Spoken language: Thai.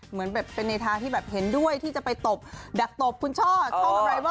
เหมือนเป็นเนธาที่เห็นด้วยที่จะไปตบดักตบคุณชอบช่องรายเวิล